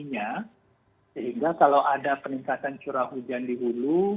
sehingga kalau ada peningkatan curah hujan di hulu